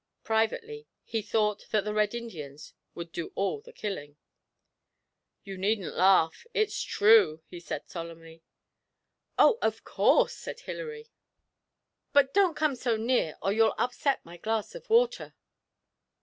Privately, he thought that the Red Indians would do all the killing. 'You needn't laugh; it's true!' he said solemnly. 'Oh, of course!' said Hilary; 'but don't come so near, or you'll upset my glass of water.'